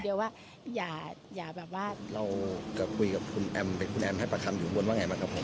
ก็ไม่เป็นไรก็ยังอยู่ดีค่ะ